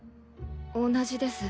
同じです。